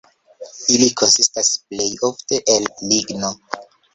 Ili konsistas plej ofte el ligno.